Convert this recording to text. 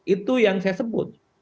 itu yang saya sebut